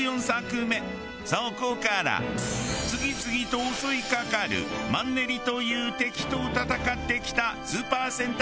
そこから次々と襲いかかるマンネリという敵と戦ってきたスーパー戦隊。